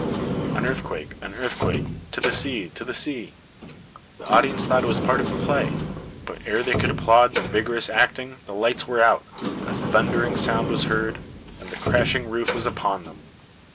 (An earthquake! an earthquake! to the sea! to the sea!) The audience thought it was part of the play; but ere they could applaud the vigorous acting, the lights were out, a thundering sound was heard, and the crashing roof was upon them.